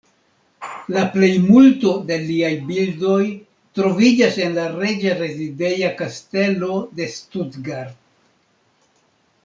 La plejmulto de liaj bildoj troviĝas en la Reĝa rezideja kastelo de Stuttgart.